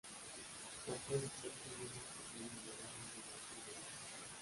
Católico, fue miembro super-numerario del Opus Dei.